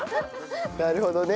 なるほどね。